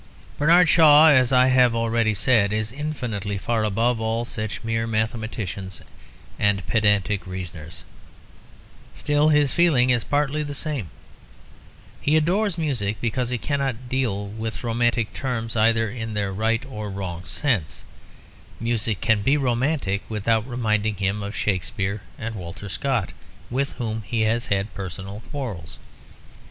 Bernard Shaw, as I have already said, is infinitely far above all such mere mathematicians and pedantic reasoners; still his feeling is partly the same. He adores music because it cannot deal with romantic terms either in their right or their wrong sense. Music can be romantic without reminding him of Shakespeare and Walter Scott, with whom he has had personal quarrels.